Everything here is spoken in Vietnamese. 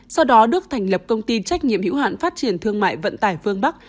sau đó đức thành lập công ty trách nhiệm hữu hạn phát triển thương mại vận tải phương bắc